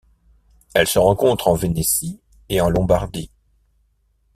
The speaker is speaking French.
Elle se rencontre en Vénétie et en Lombardie.